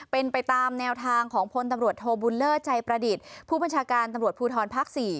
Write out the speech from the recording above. เป็นไปตามแนวทางของพลตำรวจโทบุญเลิศใจประดิษฐ์ผู้บัญชาการตำรวจภูทรภาค๔